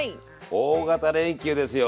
大型連休ですよ。